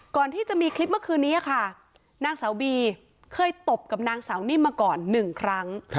ก่อนที่จะมีคลิปเมื่อคืนนี้ค่ะนางสาวบีเคยตบกับนางสาวนิ่มมาก่อน๑ครั้ง